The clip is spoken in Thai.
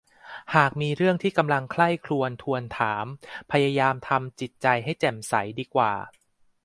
หากมีเรื่องที่กำลังใคร่ครวญทวนถามพยายามทำจิตใจให้แจ่มใสดีกว่า